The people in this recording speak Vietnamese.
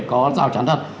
có dao chắn thật